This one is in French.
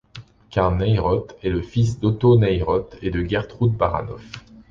Carl Nieroth est le fils d'Otto Nieroth et de Gertrud Baranoff.